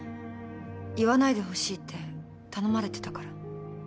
言わないでほしいって頼まれてたから。